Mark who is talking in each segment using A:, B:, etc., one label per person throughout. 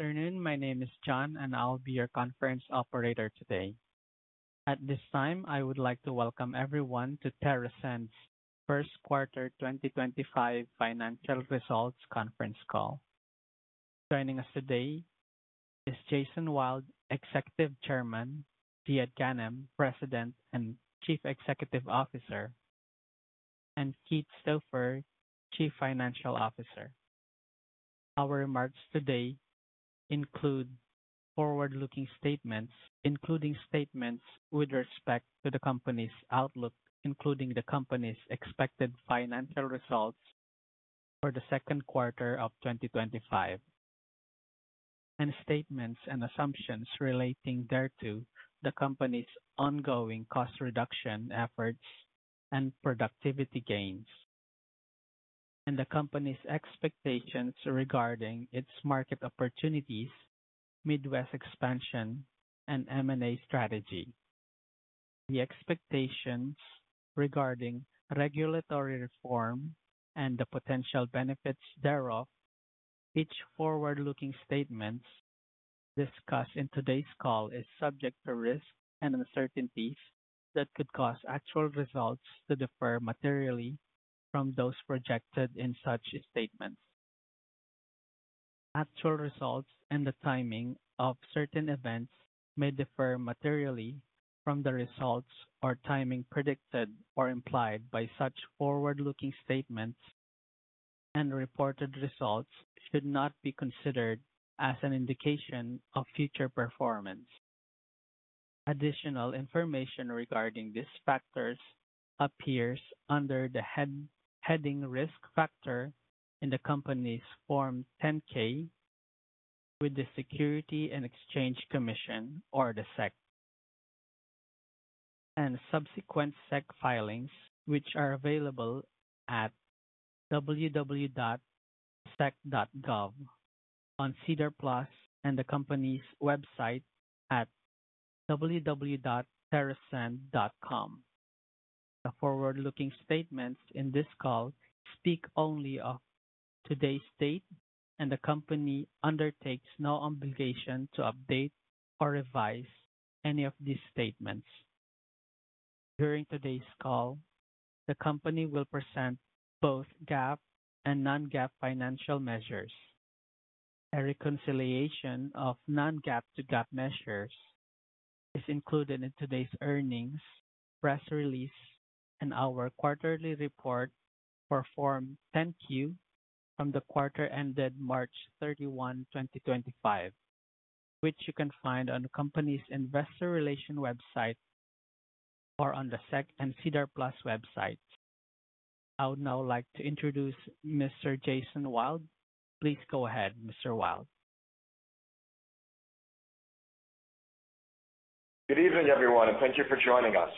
A: Afternoon. My name is John, and I'll be your conference operator today. At this time, I would like to welcome everyone to TerrAscend's First Quarter 2025 Financial Results Conference Call. Joining us today is Jason Wild, Executive Chairman; Ziad Ghanem, President and Chief Executive Officer; and Keith Stauffer, Chief Financial Officer. Our remarks today include forward-looking statements, including statements with respect to the company's outlook, including the company's expected financial results for the second quarter of 2025, and statements and assumptions relating thereto the company's ongoing cost reduction efforts and productivity gains, and the company's expectations regarding its market opportunities, Midwest expansion, and M&A strategy. The expectations regarding regulatory reform and the potential benefits thereof, each forward-looking statement discussed in today's call, is subject to risks and uncertainties that could cause actual results to differ materially from those projected in such statements. Actual results and the timing of certain events may differ materially from the results or timing predicted or implied by such forward-looking statements, and reported results should not be considered as an indication of future performance. Additional information regarding these factors appears under the heading Risk Factor in the company's Form 10-K with the Securities and Exchange Commission, or the SEC, and subsequent SEC filings, which are available at www.sec.gov on SEDAR+ and the company's website at www.terrascend.com. The forward-looking statements in this call speak only of today's date, and the company undertakes no obligation to update or revise any of these statements. During today's call, the company will present both GAAP and non-GAAP financial measures. A reconciliation of non-GAAP to GAAP measures is included in today's earnings press release and our quarterly report for Form 10-Q for the quarter ended March 31, 2025, which you can find on the company's investor relations website or on the SEC and SEDAR+ website. I would now like to introduce Mr. Jason Wild. Please go ahead, Mr. Wild.
B: Good evening, everyone, and thank you for joining us.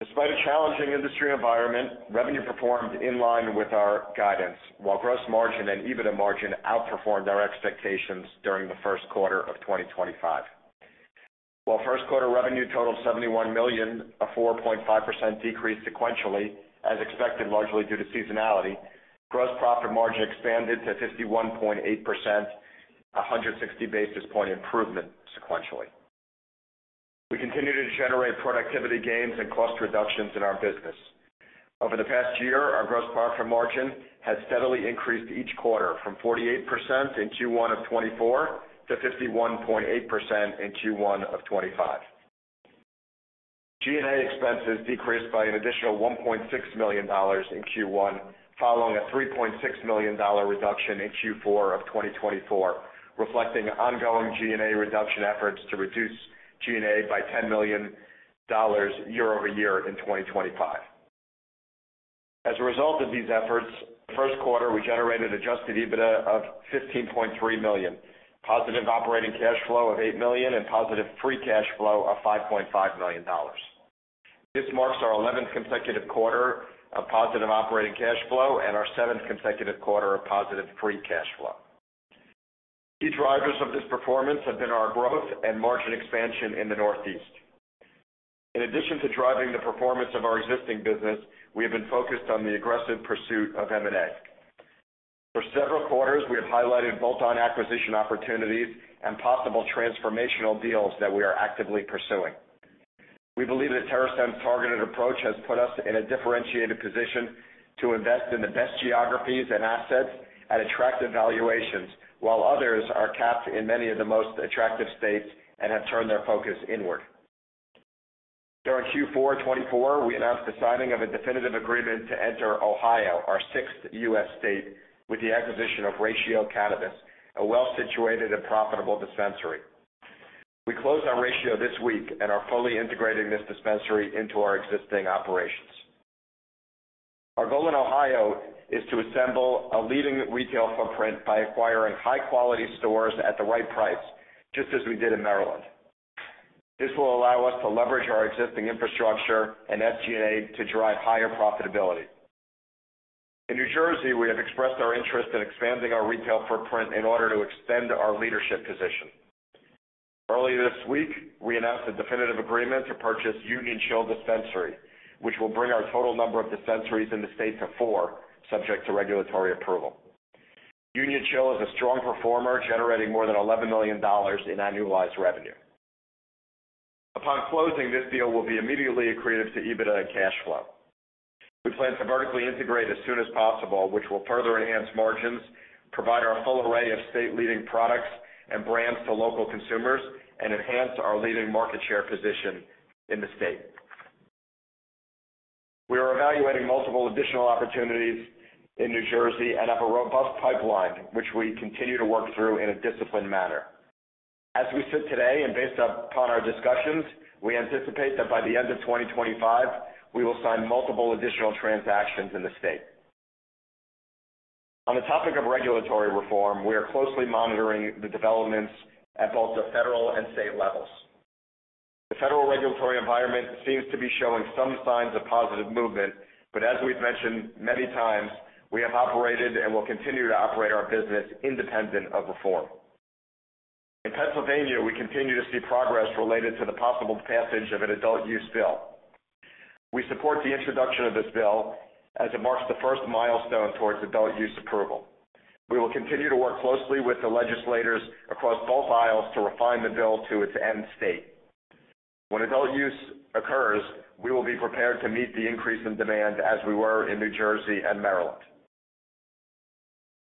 B: Despite a challenging industry environment, revenue performed in line with our guidance, while gross margin and EBITDA margin outperformed our expectations during the first quarter of 2025. While first quarter revenue totaled $71 million, a 4.5% decrease sequentially, as expected largely due to seasonality, gross profit margin expanded to 51.8%, a 160 basis point improvement sequentially. We continue to generate productivity gains and cost reductions in our business. Over the past year, our gross profit margin has steadily increased each quarter from 48% in Q1 of 2024 - 51.8% in Q1 of 2025. G&A expenses decreased by an additional $1.6 million in Q1, following a $3.6 million reduction in Q4 of 2024, reflecting ongoing G&A reduction efforts to reduce G&A by $10 million year-over-year in 2025. As a result of these efforts, the first quarter we generated adjusted EBITDA of $15.3 million, positive operating cash flow of $8 million, and positive free cash flow of $5.5 million. This marks our 11th consecutive quarter of positive operating cash flow and our 7th consecutive quarter of positive free cash flow. Key drivers of this performance have been our growth and margin expansion in the Northeast. In addition to driving the performance of our existing business, we have been focused on the aggressive pursuit of M&A. For several quarters, we have highlighted bolt-on acquisition opportunities and possible transformational deals that we are actively pursuing. We believe that TerrAscend's targeted approach has put us in a differentiated position to invest in the best geographies and assets at attractive valuations, while others are capped in many of the most attractive states and have turned their focus inward. During Q4 2024, we announced the signing of a definitive agreement to enter Ohio, our sixth U.S. state, with the acquisition of Ratio Cannabis, a well-situated and profitable dispensary. We closed our Ratio this week and are fully integrating this dispensary into our existing operations. Our goal in Ohio is to assemble a leading retail footprint by acquiring high-quality stores at the right price, just as we did in Maryland. This will allow us to leverage our existing infrastructure and SG&A to drive higher profitability. In New Jersey, we have expressed our interest in expanding our retail footprint in order to extend our leadership position. Earlier this week, we announced a definitive agreement to purchase Union Chill Dispensary, which will bring our total number of dispensaries in the state to four, subject to regulatory approval. Union Chill is a strong performer, generating more than $11 million in annualized revenue. Upon closing, this deal will be immediately accretive to EBITDA and cash flow. We plan to vertically integrate as soon as possible, which will further enhance margins, provide our full array of state-leading products and brands to local consumers, and enhance our leading market share position in the state. We are evaluating multiple additional opportunities in New Jersey and have a robust pipeline, which we continue to work through in a disciplined manner. As we sit today and based upon our discussions, we anticipate that by the end of 2025, we will sign multiple additional transactions in the state. On the topic of regulatory reform, we are closely monitoring the developments at both the federal and state levels. The federal regulatory environment seems to be showing some signs of positive movement, but as we've mentioned many times, we have operated and will continue to operate our business independent of reform. In Pennsylvania, we continue to see progress related to the possible passage of an adult use bill. We support the introduction of this bill as it marks the first milestone towards adult use approval. We will continue to work closely with the legislators across both aisles to refine the bill to its end state. When adult use occurs, we will be prepared to meet the increase in demand as we were in New Jersey and Maryland.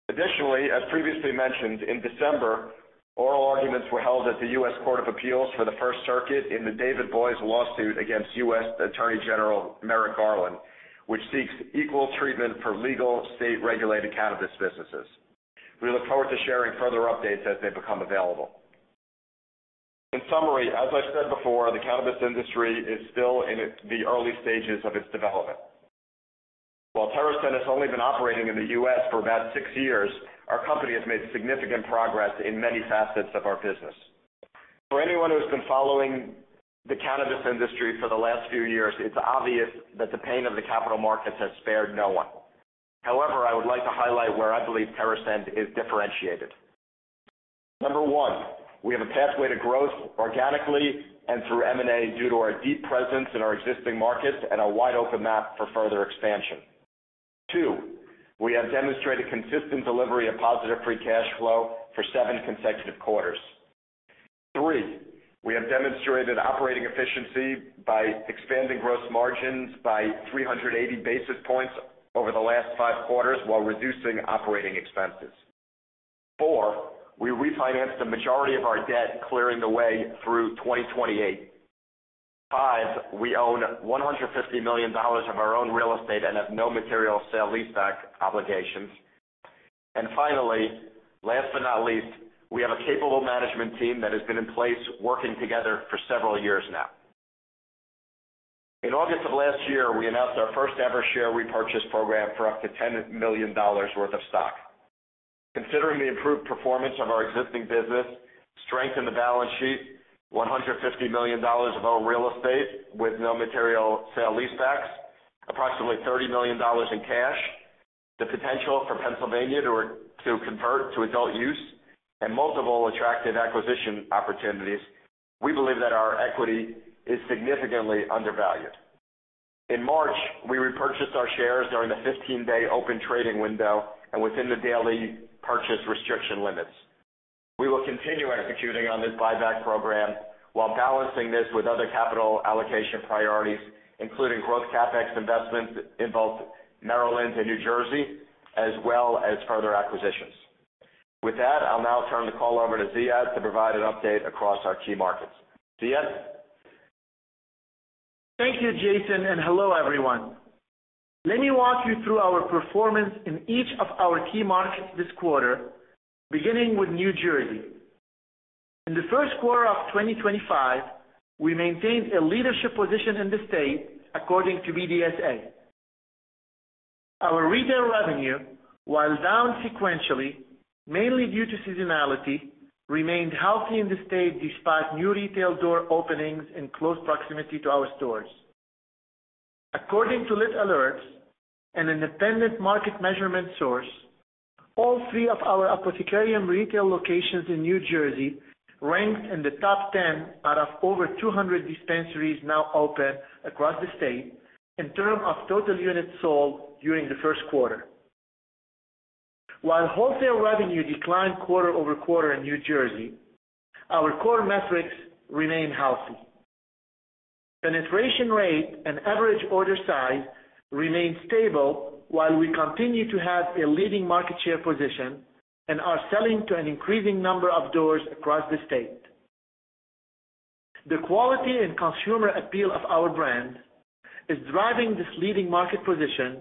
B: Additionally, as previously mentioned, in December, oral arguments were held at the U.S. Court of Appeals for the First Circuit in the David Boies lawsuit against U.S. Attorney General Merrick Garland, which seeks equal treatment for legal state-regulated cannabis businesses. We look forward to sharing further updates as they become available. In summary, as I said before, the cannabis industry is still in the early stages of its development. While TerrAscend has only been operating in the U.S. for about six years, our company has made significant progress in many facets of our business. For anyone who has been following the cannabis industry for the last few years, it's obvious that the pain of the capital markets has spared no one. However, I would like to highlight where I believe TerrAscend is differentiated. Number one, we have a pathway to growth organically and through M&A due to our deep presence in our existing markets and a wide open map for further expansion. Two, we have demonstrated consistent delivery of positive free cash flow for seven consecutive quarters. Three, we have demonstrated operating efficiency by expanding gross margins by 380 basis points over the last five quarters while reducing operating expenses. Four, we refinanced the majority of our debt, clearing the way through 2028. Five, we own $150 million of our own real estate and have no material sale lease back obligations. Finally, last but not least, we have a capable management team that has been in place working together for several years now. In August of last year, we announced our first-ever share repurchase program for up to $10 million worth of stock. Considering the improved performance of our existing business, strength in the balance sheet, $150 million of our real estate with no material sale lease backs, approximately $30 million in cash, the potential for Pennsylvania to convert to adult use, and multiple attractive acquisition opportunities, we believe that our equity is significantly undervalued. In March, we repurchased our shares during the 15-day open trading window and within the daily purchase restriction limits. We will continue executing on this buyback program while balancing this with other capital allocation priorities, including growth CapEx investments in both Maryland and New Jersey, as well as further acquisitions. With that, I'll now turn the call over to Ziad to provide an update across our key markets. Ziad?
C: Thank you, Jason, and hello, everyone. Let me walk you through our performance in each of our key markets this quarter, beginning with New Jersey. In the first quarter of 2025, we maintained a leadership position in the state, according to BDSA. Our retail revenue, while down sequentially, mainly due to seasonality, remained healthy in the state despite new retail door openings in close proximity to our stores. According to Lit Alerts, an independent market measurement source, all three of our Apothecarium retail locations in New Jersey ranked in the top 10 out of over 200 dispensaries now open across the state in terms of total units sold during the first quarter. While wholesale revenue declined quarter-over-quarter in New Jersey, our core metrics remain healthy. Penetration rate and average order size remain stable, while we continue to have a leading market share position and are selling to an increasing number of doors across the state. The quality and consumer appeal of our brand is driving this leading market position,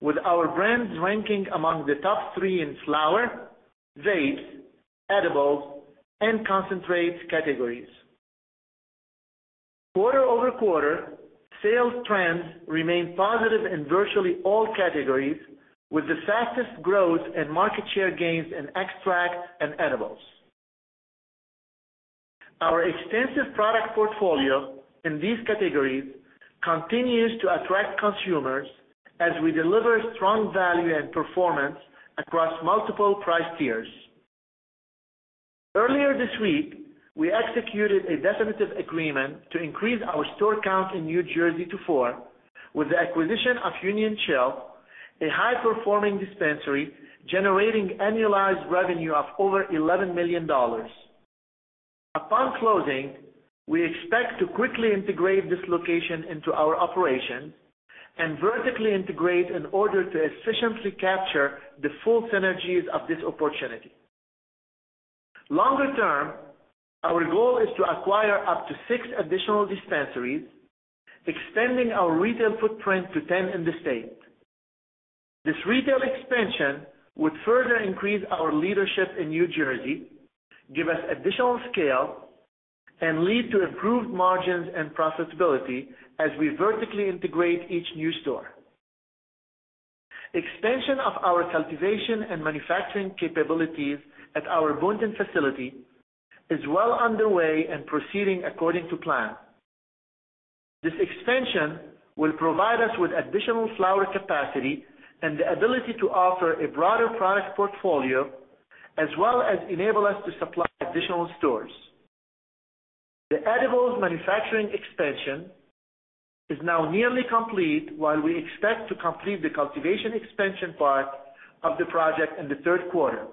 C: with our brands ranking among the top three in flower, vapes, edibles, and concentrates categories. Quarter-over-quarter, sales trends remain positive in virtually all categories, with the fastest growth and market share gains in extracts and edibles. Our extensive product portfolio in these categories continues to attract consumers as we deliver strong value and performance across multiple price tiers. Earlier this week, we executed a definitive agreement to increase our store count in New Jersey to four, with the acquisition of Union Chill, a high-performing dispensary generating annualized revenue of over $11 million. Upon closing, we expect to quickly integrate this location into our operations and vertically integrate in order to efficiently capture the full synergies of this opportunity. Longer term, our goal is to acquire up to six additional dispensaries, extending our retail footprint to 10 in the state. This retail expansion would further increase our leadership in New Jersey, give us additional scale, and lead to improved margins and profitability as we vertically integrate each new store. Expansion of our cultivation and manufacturing capabilities at our Boynton facility is well underway and proceeding according to plan. This expansion will provide us with additional flower capacity and the ability to offer a broader product portfolio, as well as enable us to supply additional stores. The edibles manufacturing expansion is now nearly complete, while we expect to complete the cultivation expansion part of the project in the third quarter.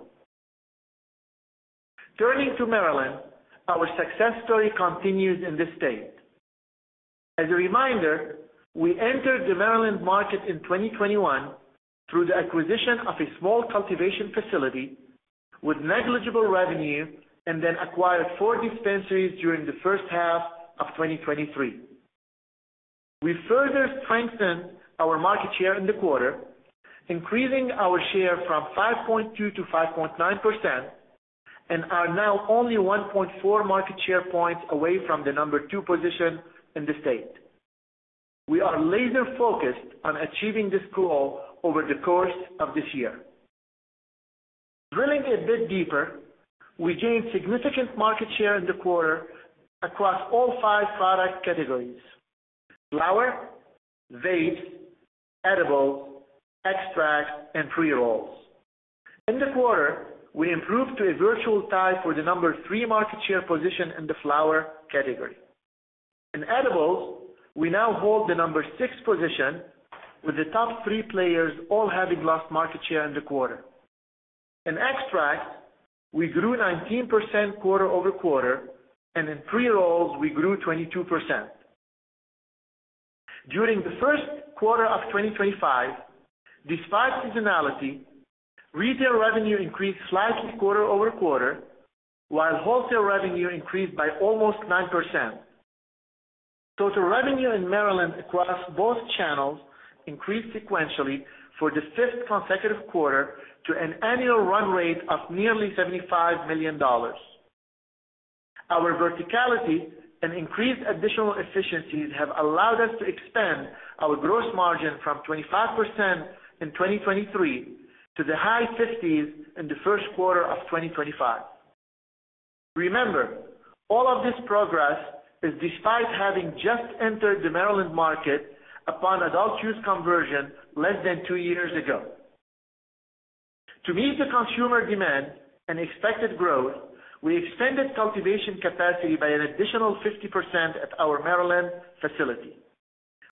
C: Turning to Maryland, our success story continues in this state. As a reminder, we entered the Maryland market in 2021 through the acquisition of a small cultivation facility with negligible revenue and then acquired four dispensaries during the first half of 2023. We further strengthened our market share in the quarter, increasing our share from 5.2%-5.9% and are now only 1.4 market share points away from the number two position in the state. We are laser-focused on achieving this goal over the course of this year. Drilling a bit deeper, we gained significant market share in the quarter across all five product categories: flower, vapes, edibles, extracts, and pre-rolls. In the quarter, we improved to a virtual tie for the number three market share position in the flower category. In edibles, we now hold the number six position, with the top three players all having lost market share in the quarter. In extracts, we grew 19% quarter-over-quarter, and in pre-rolls, we grew 22%. During the first quarter of 2025, despite seasonality, retail revenue increased slightly quarter-over-quarter, while wholesale revenue increased by almost 9%. Total revenue in Maryland across both channels increased sequentially for the fifth consecutive quarter to an annual run rate of nearly $75 million. Our verticality and increased additional efficiencies have allowed us to expand our gross margin from 25% in 2023 to the high 50% in the first quarter of 2025. Remember, all of this progress is despite having just entered the Maryland market upon adult use conversion less than two years ago. To meet the consumer demand and expected growth, we extended cultivation capacity by an additional 50% at our Maryland facility.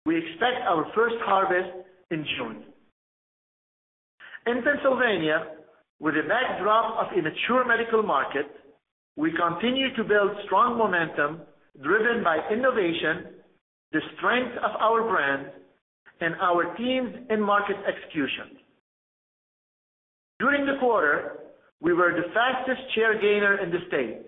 C: We expect our first harvest in June. In Pennsylvania, with the backdrop of a mature medical market, we continue to build strong momentum driven by innovation, the strength of our brand, and our teams in market execution. During the quarter, we were the fastest share gainer in the state.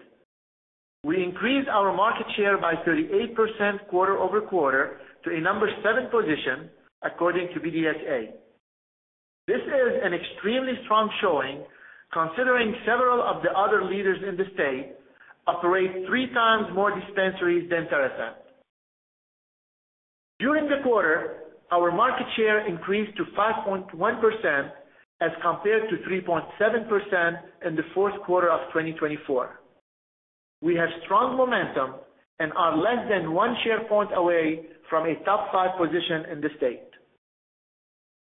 C: We increased our market share by 38% quarter-over-quarter to a number seven position, according to BDSA. This is an extremely strong showing, considering several of the other leaders in the state operate three times more dispensaries than TerrAscend. During the quarter, our market share increased to 5.1% as compared to 3.7% in the fourth quarter of 2024. We have strong momentum and are less than one share point away from a top five position in the state.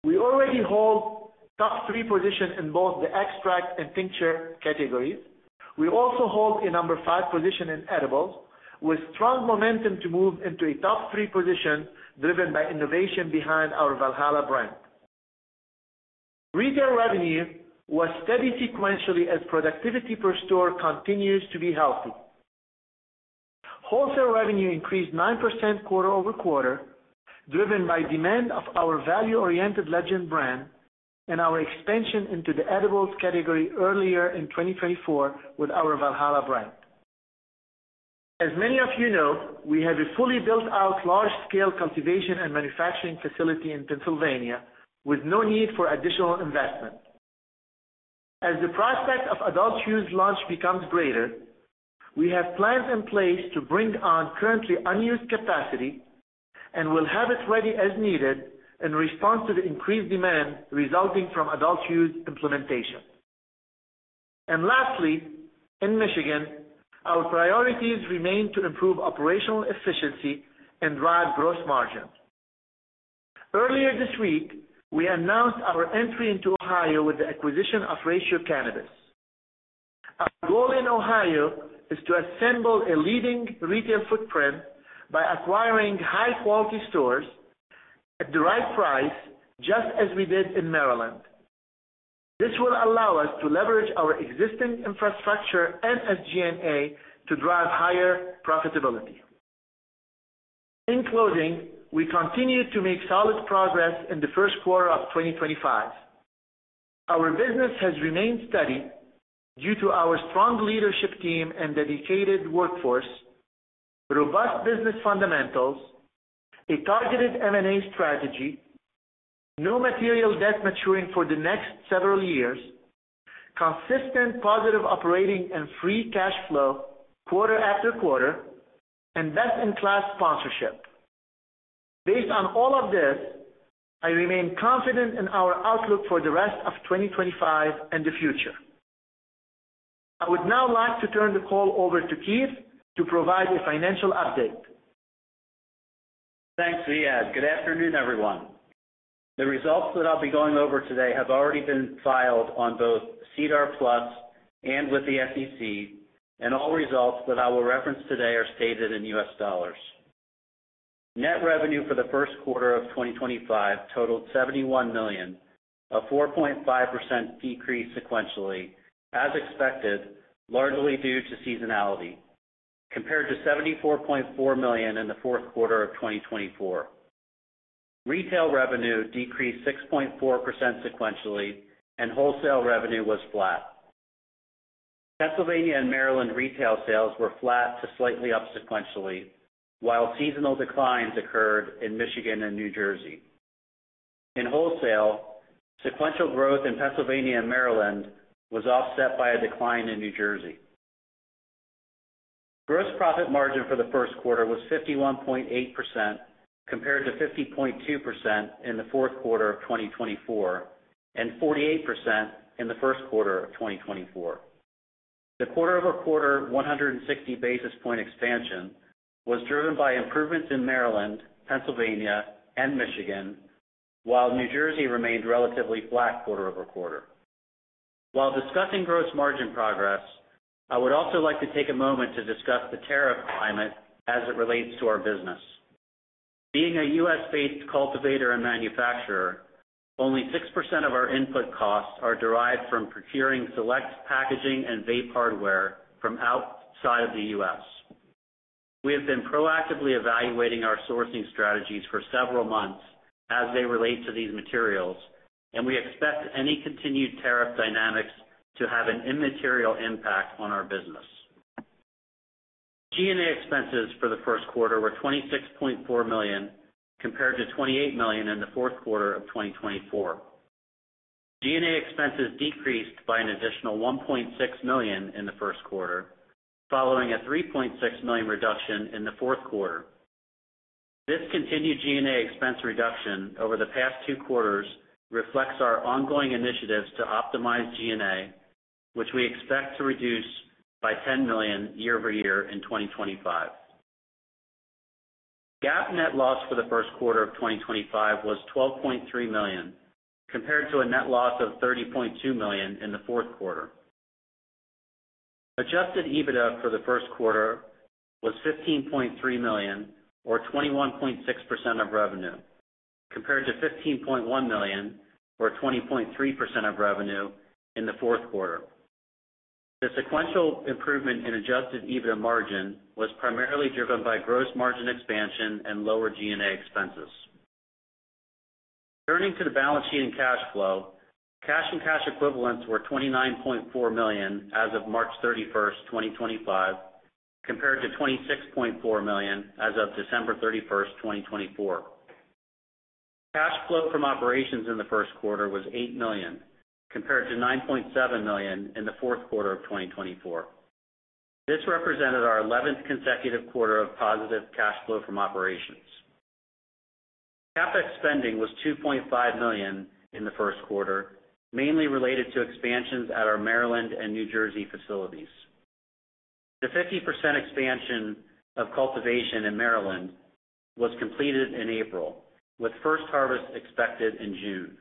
C: We already hold top three positions in both the extract and tincture categories. We also hold a number five position in edibles, with strong momentum to move into a top three position driven by innovation behind our Valhalla brand. Retail revenue was steady sequentially as productivity per store continues to be healthy. Wholesale revenue increased 9% quarter-over -quarter, driven by demand of our value-oriented Legend brand and our expansion into the edibles category earlier in 2024 with our Valhalla brand. As many of you know, we have a fully built-out large-scale cultivation and manufacturing facility in Pennsylvania, with no need for additional investment. As the prospect of adult use launch becomes greater, we have plans in place to bring on currently unused capacity and will have it ready as needed in response to the increased demand resulting from adult use implementation. Lastly, in Michigan, our priorities remain to improve operational efficiency and drive gross margin. Earlier this week, we announced our entry into Ohio with the acquisition of Ratio Cannabis. Our goal in Ohio is to assemble a leading retail footprint by acquiring high-quality stores at the right price, just as we did in Maryland. This will allow us to leverage our existing infrastructure and SG&A to drive higher profitability. In closing, we continue to make solid progress in the first quarter of 2025. Our business has remained steady due to our strong leadership team and dedicated workforce, robust business fundamentals, a targeted M&A strategy, no material debt maturing for the next several years, consistent positive operating and free cash flow quarter after quarter, and best-in-class sponsorship. Based on all of this, I remain confident in our outlook for the rest of 2025 and the future. I would now like to turn the call over to Keith to provide a financial update.
D: Thanks, Ziad. Good afternoon, everyone. The results that I'll be going over today have already been filed on both SEDAR+ and with the SEC, and all results that I will reference today are stated in U.S. dollars. Net revenue for the first quarter of 2025 totaled $71 million, a 4.5% decrease sequentially, as expected, largely due to seasonality, compared to $74.4 million in the fourth quarter of 2024. Retail revenue decreased 6.4% sequentially, and wholesale revenue was flat. Pennsylvania and Maryland retail sales were flat to slightly up sequentially, while seasonal declines occurred in Michigan and New Jersey. In wholesale, sequential growth in Pennsylvania and Maryland was offset by a decline in New Jersey. Gross profit margin for the first quarter was 51.8%, compared to 50.2% in the fourth quarter of 2024 and 48% in the first quarter of 2024. The quarter-over-quarter 160 basis point expansion was driven by improvements in Maryland, Pennsylvania, and Michigan, while New Jersey remained relatively flat quarter-over-quarter. While discussing gross margin progress, I would also like to take a moment to discuss the tariff climate as it relates to our business. Being a U.S.-based cultivator and manufacturer, only 6% of our input costs are derived from procuring select packaging and vape hardware from outside of the U.S. We have been proactively evaluating our sourcing strategies for several months as they relate to these materials, and we expect any continued tariff dynamics to have an immaterial impact on our business. G&A expenses for the first quarter were $26.4 million, compared to $28 million in the fourth quarter of 2024. G&A expenses decreased by an additional $1.6 million in the first quarter, following a $3.6 million reduction in the fourth quarter. This continued G&A expense reduction over the past two quarters reflects our ongoing initiatives to optimize G&A, which we expect to reduce by $10 million year-over-year in 2025. GAAP net loss for the first quarter of 2025 was $12.3 million, compared to a net loss of $30.2 million in the fourth quarter. Adjusted EBITDA for the first quarter was $15.3 million, or 21.6% of revenue, compared to $15.1 million, or 20.3% of revenue, in the fourth quarter. The sequential improvement in adjusted EBITDA margin was primarily driven by gross margin expansion and lower G&A expenses. Turning to the balance sheet and cash flow, cash and cash equivalents were $29.4 million as of March 31st, 2025, compared to $26.4 million as of December 31st, 2024. Cash flow from operations in the first quarter was $8 million, compared to $9.7 million in the fourth quarter of 2024. This represented our 11th consecutive quarter of positive cash flow from operations. CapEx spending was $2.5 million in the first quarter, mainly related to expansions at our Maryland and New Jersey facilities. The 50% expansion of cultivation in Maryland was completed in April, with first harvest expected in June.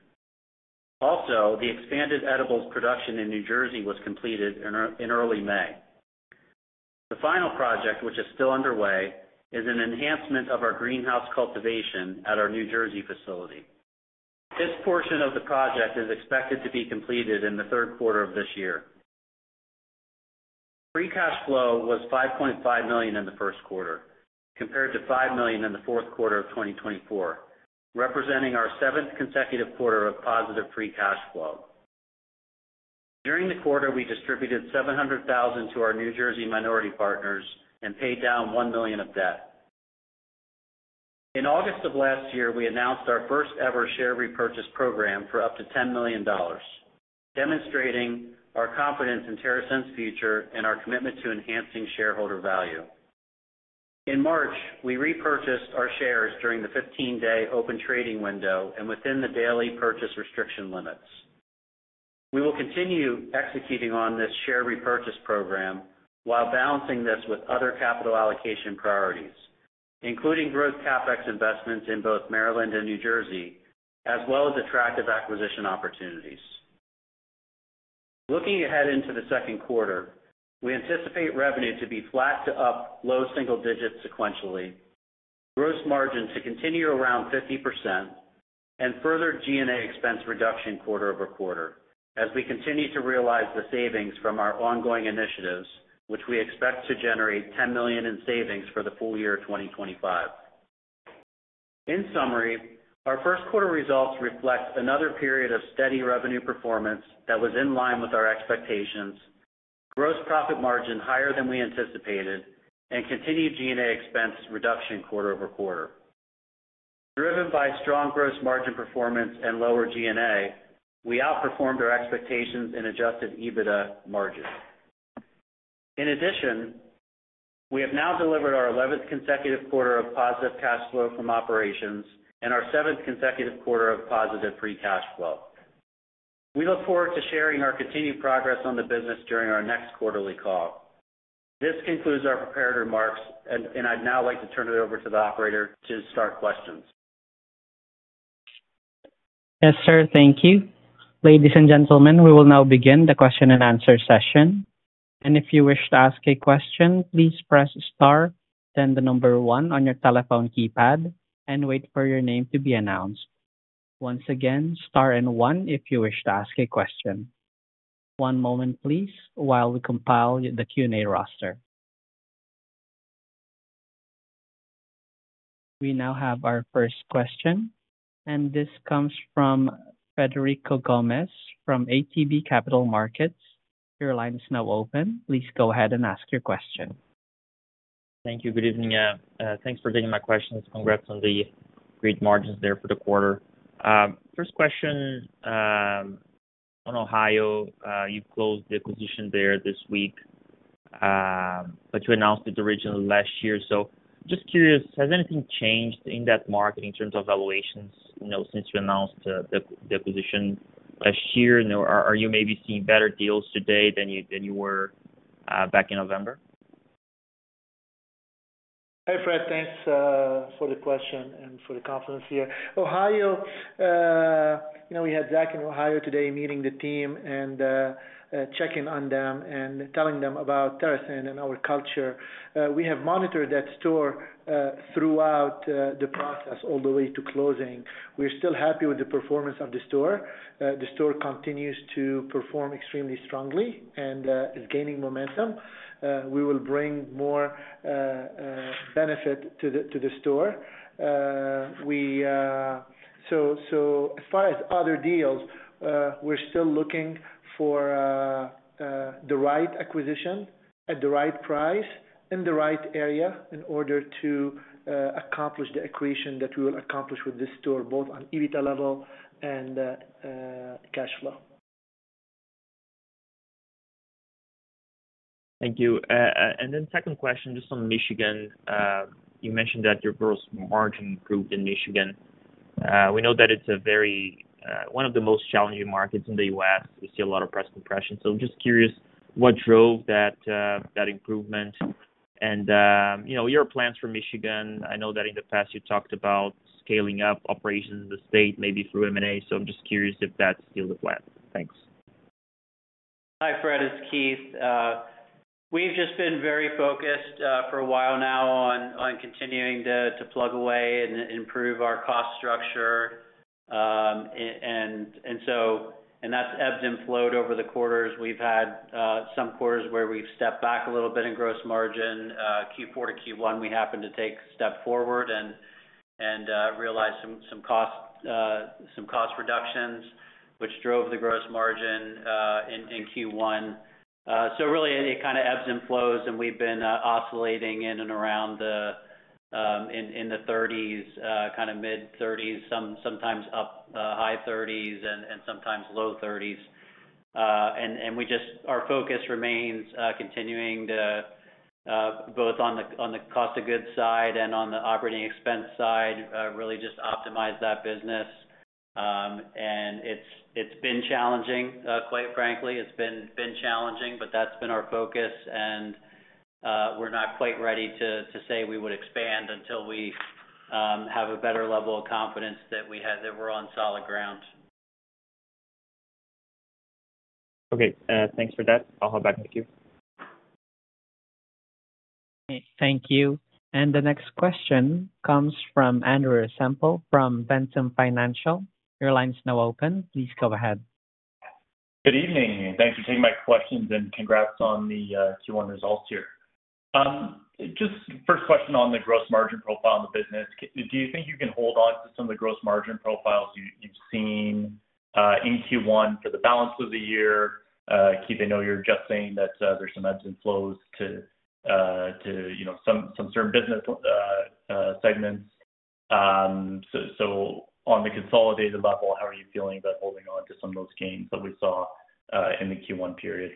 D: Also, the expanded edibles production in New Jersey was completed in early May. The final project, which is still underway, is an enhancement of our greenhouse cultivation at our New Jersey facility. This portion of the project is expected to be completed in the third quarter of this year. Free cash flow was $5.5 million in the first quarter, compared to $5 million in the fourth quarter of 2024, representing our seventh consecutive quarter of positive free cash flow. During the quarter, we distributed $700,000 to our New Jersey minority partners and paid down $1 million of debt. In August of last year, we announced our first-ever share repurchase program for up to $10 million, demonstrating our confidence in TerrAscend's future and our commitment to enhancing shareholder value. In March, we repurchased our shares during the 15-day open trading window and within the daily purchase restriction limits. We will continue executing on this share repurchase program while balancing this with other capital allocation priorities, including growth CapEx investments in both Maryland and New Jersey, as well as attractive acquisition opportunities. Looking ahead into the second quarter, we anticipate revenue to be flat to up low single digits sequentially, gross margin to continue around 50%, and further G&A expense reduction quarter-over-quarter, as we continue to realize the savings from our ongoing initiatives, which we expect to generate $10 million in savings for the full year of 2025. In summary, our first quarter results reflect another period of steady revenue performance that was in line with our expectations, gross profit margin higher than we anticipated, and continued G&A expense reduction quarter-over-quarter. Driven by strong gross margin performance and lower G&A, we outperformed our expectations in adjusted EBITDA margin. In addition, we have now delivered our 11th consecutive quarter of positive cash flow from operations and our seventh consecutive quarter of positive free cash flow. We look forward to sharing our continued progress on the business during our next quarterly call. This concludes our prepared remarks, and I'd now like to turn it over to the operator to start questions.
A: Yes, sir. Thank you. Ladies and gentlemen, we will now begin the question and answer session. If you wish to ask a question, please press star, then the number one on your telephone keypad, and wait for your name to be announced. Once again, star and one if you wish to ask a question. One moment, please, while we compile the Q&A roster. We now have our first question, and this comes from Federico Gomes from ATB Capital Markets. Your line is now open. Please go ahead and ask your question.
E: Thank you. Good evening. Thanks for taking my questions. Congrats on the great margins there for the quarter. First question on Ohio. You've closed the acquisition there this week, but you announced it originally last year. Just curious, has anything changed in that market in terms of valuations since you announced the acquisition last year? Are you maybe seeing better deals today than you were back in November?
C: Hey, Fred. Thanks for the question and for the confidence here. Ohio, we had Zack in Ohio today meeting the team and checking on them and telling them about TerrAscend and our culture. We have monitored that store throughout the process all the way to closing. We're still happy with the performance of the store. The store continues to perform extremely strongly and is gaining momentum. We will bring more benefit to the store. As far as other deals, we're still looking for the right acquisition at the right price in the right area in order to accomplish the accretion that we will accomplish with this store, both on EBITDA level and cash flow.
E: Thank you. Then second question, just on Michigan. You mentioned that your gross margin improved in Michigan. We know that it's one of the most challenging markets in the U.S. We see a lot of price compression. I'm just curious, what drove that improvement? Your plans for Michigan, I know that in the past you talked about scaling up operations in the state, maybe through M&A. I'm just curious if that's still the plan. Thanks.
D: Hi, Fred. It's Keith. We've just been very focused for a while now on continuing to plug away and improve our cost structure. That's ebbed and flowed over the quarters. We've had some quarters where we've stepped back a little bit in gross margin. Q4 to Q1, we happened to take a step forward and realize some cost reductions, which drove the gross margin in Q1. It kind of ebbs and flows, and we've been oscillating in and around the 30s, kind of mid-30s, sometimes up high 30s and sometimes low 30s. Our focus remains continuing to, both on the cost of goods side and on the operating expense side, really just optimize that business. It's been challenging, quite frankly. It's been challenging, but that's been our focus. We're not quite ready to say we would expand until we have a better level of confidence that we're on solid ground.
E: Okay. Thanks for that. I'll hop back with you.
A: Thank you. The next question comes from Andrew Semple from Ventum Financial. Your line is now open. Please go ahead.
F: Good evening. Thanks for taking my questions and congrats on the Q1 results here. Just first question on the gross margin profile in the business. Do you think you can hold on to some of the gross margin profiles you've seen in Q1 for the balance of the year? Keith, I know you're just saying that there's some ebbs and flows to some certain business segments. On the consolidated level, how are you feeling about holding on to some of those gains that we saw in the Q1 period?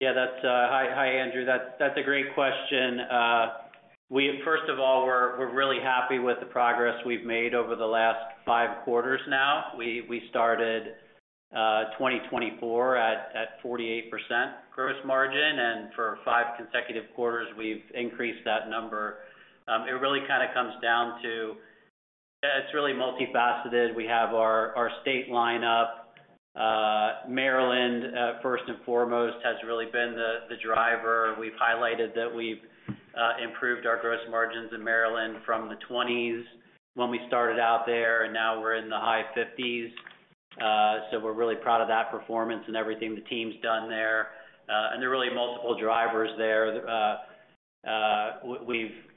D: Yeah. Hi, Andrew. That's a great question. First of all, we're really happy with the progress we've made over the last five quarters now. We started 2024 at 48% gross margin, and for five consecutive quarters, we've increased that number. It really kind of comes down to it's really multifaceted. We have our state lineup. Maryland, first and foremost, has really been the driver. We've highlighted that we've improved our gross margins in Maryland from the 20s when we started out there, and now we're in the high 50s. We're really proud of that performance and everything the team's done there. There are really multiple drivers there.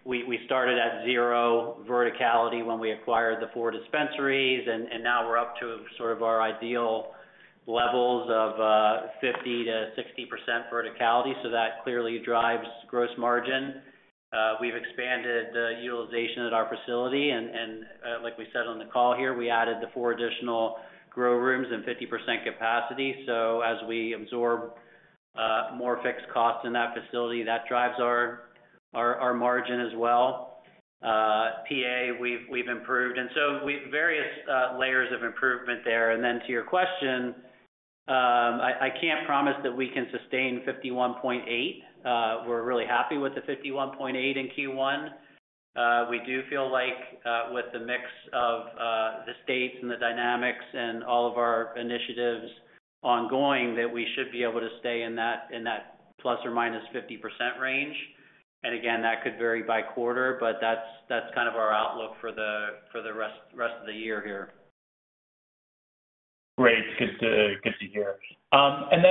D: We started at zero verticality when we acquired the four dispensaries, and now we're up to sort of our ideal levels of 50-60% verticality. That clearly drives gross margin. We've expanded the utilization at our facility. Like we said on the call here, we added the four additional grow rooms and 50% capacity. As we absorb more fixed costs in that facility, that drives our margin as well. PA, we've improved. Various layers of improvement there. To your question, I can't promise that we can sustain 51.8%. We're really happy with the 51.8% in Q1. We do feel like with the mix of the states and the dynamics and all of our initiatives ongoing, we should be able to stay in that plus or minus 50% range. That could vary by quarter, but that's kind of our outlook for the rest of the year here.
F: Great. Good to hear.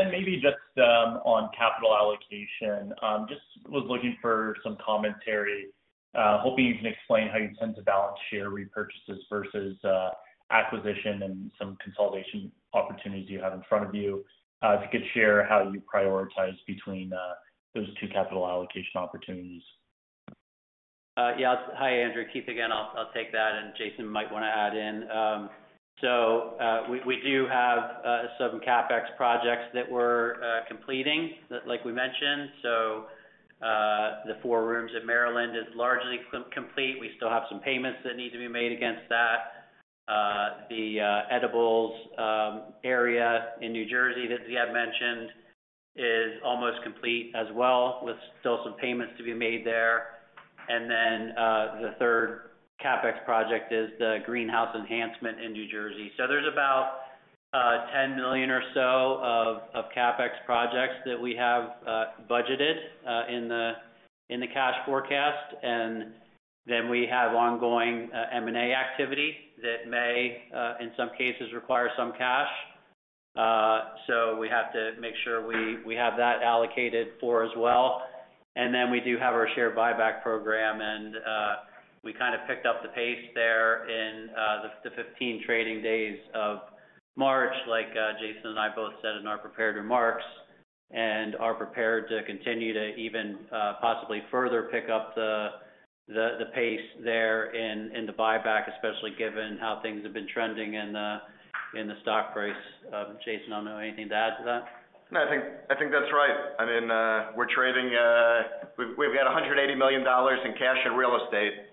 F: Maybe just on capital allocation, just was looking for some commentary. Hoping you can explain how you tend to balance share repurchases versus acquisition and some consolidation opportunities you have in front of you. If you could share how you prioritize between those two capital allocation opportunities.
D: Yeah. Hi, Andrew. Keith, again, I'll take that. Jason might want to add in. We do have some CapEx projects that we're completing, like we mentioned. The four rooms in Maryland is largely complete. We still have some payments that need to be made against that. The edibles area in New Jersey that Ziad mentioned is almost complete as well, with still some payments to be made there. The third CapEx project is the greenhouse enhancement in New Jersey. There's about $10 million or so of CapEx projects that we have budgeted in the cash forecast. We have ongoing M&A activity that may, in some cases, require some cash. We have to make sure we have that allocated for as well. We do have our share buyback program, and we kind of picked up the pace there in the 15 trading days of March, like Jason and I both said in our prepared remarks. We are prepared to continue to even possibly further pick up the pace there in the buyback, especially given how things have been trending in the stock price. Jason, I do not know anything to add to that.
B: No, I think that's right. I mean, we're trading, we've got $180 million in cash and real estate.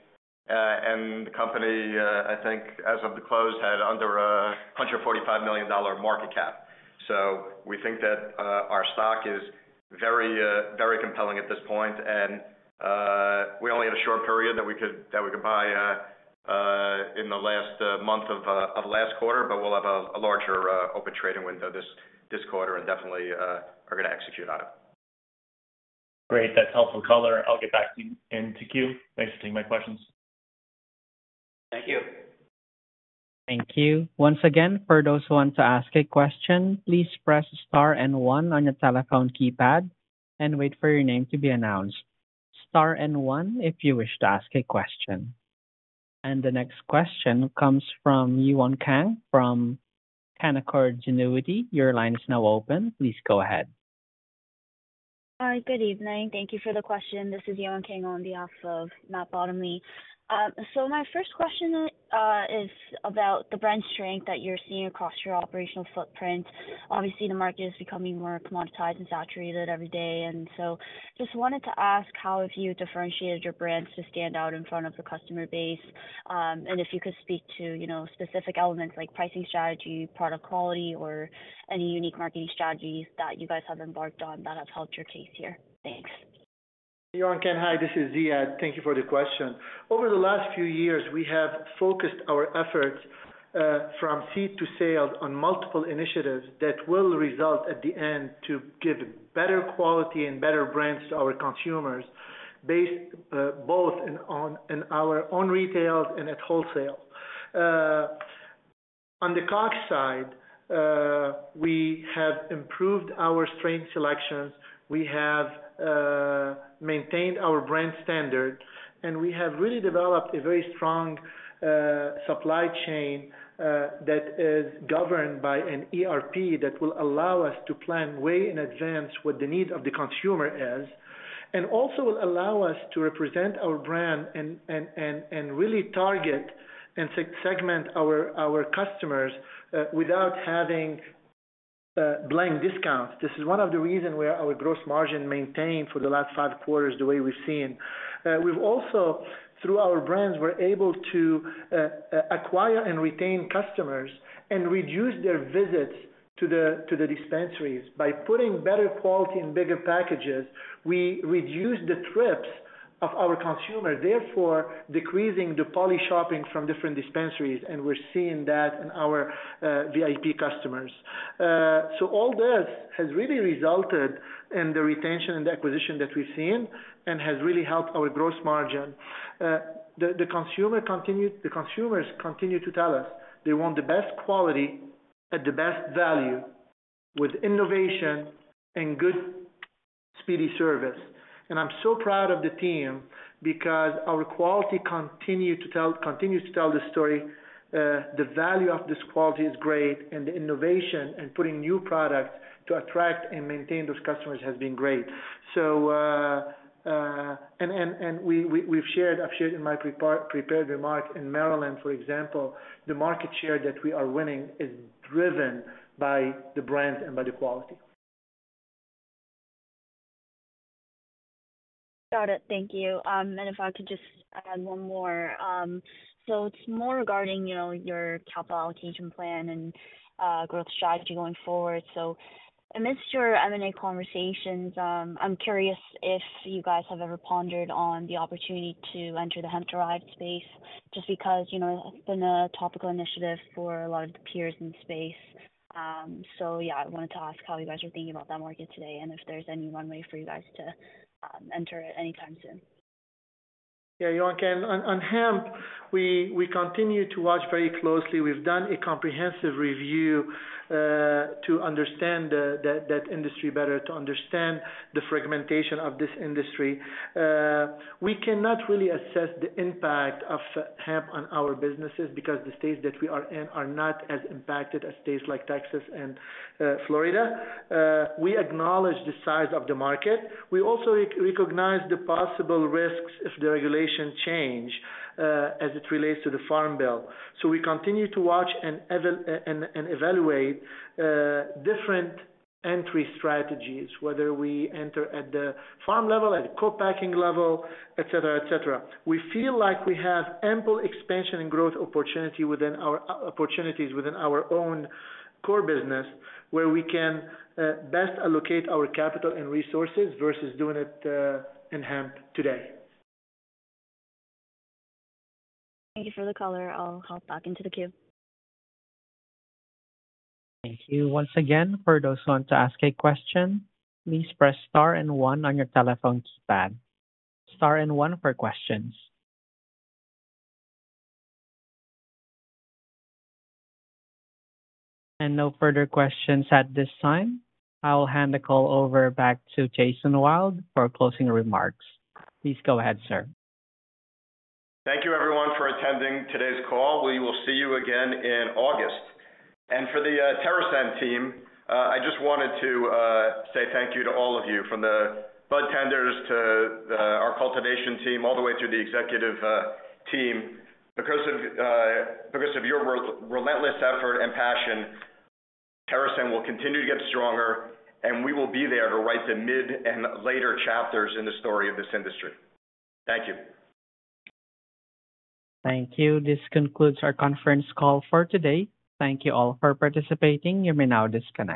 B: And the company, I think, as of the close, had under a $145 million market cap. So we think that our stock is very compelling at this point. And we only had a short period that we could buy in the last month of last quarter, but we'll have a larger open trading window this quarter and definitely are going to execute on it.
F: Great. That's helpful color. I'll get back to you and to Keith. Thanks for taking my questions.
D: Thank you.
A: Thank you. Once again, for those who want to ask a question, please press Star and one on your telephone keypad and wait for your name to be announced. Star and one if you wish to ask a question. The next question comes from Yewon Kang from Canaccord Genuity. Your line is now open. Please go ahead.
G: Hi, good evening. Thank you for the question. This is Yewon Kang on behalf of Matt Bottomley. My first question is about the brand strength that you're seeing across your operational footprint. Obviously, the market is becoming more commoditized and saturated every day. I just wanted to ask how have you differentiated your brands to stand out in front of the customer base? If you could speak to specific elements like pricing strategy, product quality, or any unique marketing strategies that you guys have embarked on that have helped your case here. Thanks.
C: Yewon Kang, Hi, This is Ziad. Thank you for the question. Over the last few years, we have focused our efforts from seed to sale on multiple initiatives that will result at the end to give better quality and better brands to our consumers, both in our own retail and at wholesale. On the COGS side, we have improved our strain selections. We have maintained our brand standard, and we have really developed a very strong supply chain that is governed by an ERP that will allow us to plan way in advance what the need of the consumer is, and also will allow us to represent our brand and really target and segment our customers without having blanket discounts. This is one of the reasons where our gross margin maintained for the last five quarters the way we've seen. We've also, through our brands, we're able to acquire and retain customers and reduce their visits to the dispensaries. By putting better quality and bigger packages, we reduce the trips of our consumers, therefore decreasing the poly shopping from different dispensaries. We're seeing that in our VIP customers. All this has really resulted in the retention and the acquisition that we've seen and has really helped our gross margin. The consumers continue to tell us they want the best quality at the best value with innovation and good speedy service. I'm so proud of the team because our quality continues to tell the story. The value of this quality is great, and the innovation and putting new products to attract and maintain those customers has been great. I've shared in my prepared remark, in Maryland, for example, the market share that we are winning is driven by the brand and by the quality.
G: Got it. Thank you. If I could just add one more. It is more regarding your capital allocation plan and growth strategy going forward. Amidst your M&A conversations, I'm curious if you guys have ever pondered on the opportunity to enter the HEMP-derived space, just because it has been a topical initiative for a lot of the peers in the space. I wanted to ask how you guys are thinking about that market today and if there is any runway for you guys to enter at any time soon.
C: Yeah, Yewon Kang, on HEMP, we continue to watch very closely. We've done a comprehensive review to understand that industry better, to understand the fragmentation of this industry. We cannot really assess the impact of HEMP on our businesses because the states that we are in are not as impacted as states like Texas and Florida. We acknowledge the size of the market. We also recognize the possible risks if the regulation change as it relates to the farm bill. We continue to watch and evaluate different entry strategies, whether we enter at the farm level, at the co-packing level, etc., etc. We feel like we have ample expansion and growth opportunities within our own core business where we can best allocate our capital and resources versus doing it in HEMP today.
G: Thank you for the color. I'll hop back into the queue.
A: Thank you once again. For those who want to ask a question, please press star and one on your telephone keypad. Star and one for questions. No further questions at this time. I'll hand the call over back to Jason Wild for closing remarks. Please go ahead, sir.
B: Thank you, everyone, for attending today's call. We will see you again in August. For the TerrAscend team, I just wanted to say thank you to all of you, from the bud tenders to our cultivation team, all the way through the executive team. Because of your relentless effort and passion, TerrAscend will continue to get stronger, and we will be there to write the mid and later chapters in the story of this industry. Thank you.
A: Thank you. This concludes our conference call for today. Thank you all for participating. You may now disconnect.